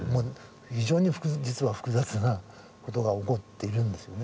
非常に実は複雑なことが起こっているんですよね。